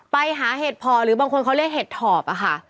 ไปหาเห็ดพอหรือบางคนเขาเรียกเห็ดถอบอะค่ะ